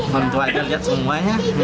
mantul aja lihat semuanya